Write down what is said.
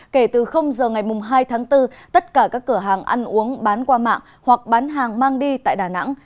kể từ giờ ngày hai tháng bốn tất cả các cửa hàng ăn uống bán qua mạng hoặc bán hàng mang đi tại đà nẵng